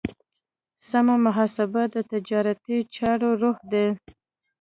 سمه محاسبه د تجارتي چارو روح دی.